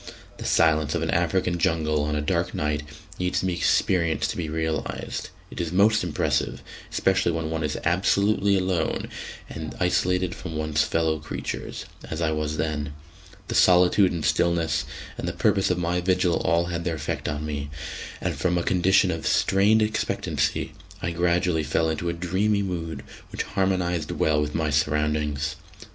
The silence of an African jungle on a dark night needs to be experienced to be realised; it is most impressive, especially when one is absolutely alone and isolated from one's fellow creatures, as I was then. The solitude and stillness, and the purpose of my vigil, all had their effect on me, and from a condition of strained expectancy I gradually fell into a dreamy mood which harmonised well with my surroundings.